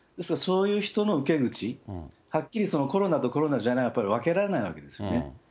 そういう人の受け口、はっきりそのコロナとコロナじゃないは分けられないわけですよね。